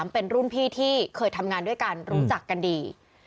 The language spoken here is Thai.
เป็นรุ่นพี่ที่เคยทำงานด้วยกันรู้จักกันดี